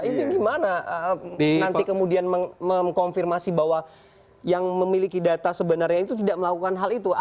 ini gimana nanti kemudian mengkonfirmasi bahwa yang memiliki data sebenarnya itu tidak melakukan hal itu